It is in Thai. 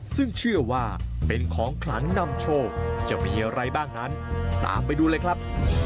ซึ่งเชื่อว่าเป็นของขลังนำโชคจะมีอะไรบ้างนั้นตามไปดูเลยครับ